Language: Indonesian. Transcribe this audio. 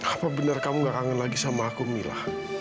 apa benar kamu gak kangen lagi sama aku mila